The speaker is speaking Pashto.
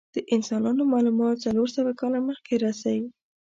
د انسانانو معلومات څلور سوه کاله مخکې رسی.